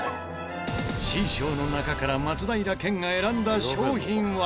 Ｃ賞の中から松平健が選んだ商品は。